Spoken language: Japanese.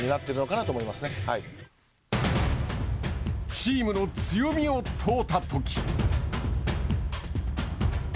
チームの強みを問うたとき。